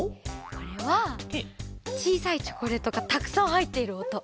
これはちいさいチョコレートがたくさんはいっているおと。